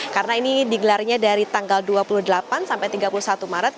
karena ini digelarnya dari tanggal dua puluh delapan sampai tiga puluh satu maret